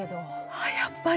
あやっぱり！